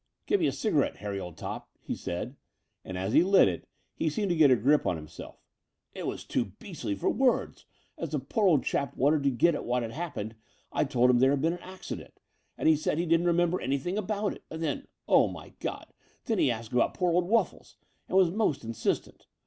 "Give me a cigarette, Harry, old top," he said; and as he lit it, he seemed to get a fresh grip on himself. "It was too beastly for words, as the poor old chap wanted to get at what had happened. I told him there had been an accident, and he said he didn't remember anjrthing about it : and then — oh, my God, then he asked after poor old WuflBes, and was most insistent.